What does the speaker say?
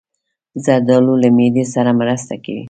زردالو له معدې سره مرسته کوي.